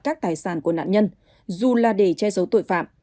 các tài sản của nạn nhân dù là để che giấu tội phạm